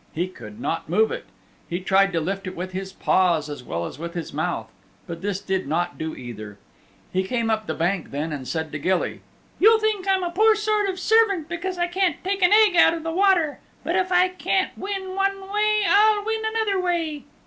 He could not move it. He tried to lift it with his paws as well as with his mouth; but this did not do either. He came up the bank then, and said to Gilly, "You'll think I'm a poor sort of a servant because I can't take an egg out of the water. But if I can't win one way I'll win another way."